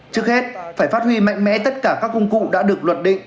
trước hết phải phát huy mạnh mẽ tất cả các công cụ đã được luật định